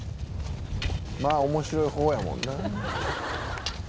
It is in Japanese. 「まあ面白い方やもんな」